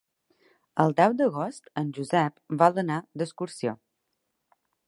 El deu d'agost en Josep vol anar d'excursió.